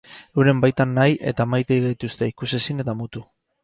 Euren baitan nahi eta maite gaituzte, ikusezin eta mutu.